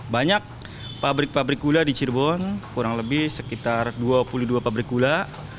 banyak pabrik pabrik gula di cirebon kurang lebih sekitar dua puluh dua pabrik gula